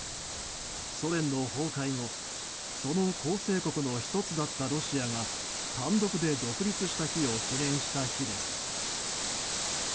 ソ連の崩壊後その構成国の１つだったロシアが単独で独立した日を記念した日です。